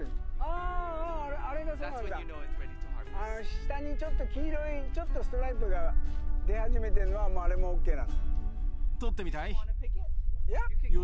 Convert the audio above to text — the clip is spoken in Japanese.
下にちょっと黄色いストライプが出始めてるのはもうＯＫだ。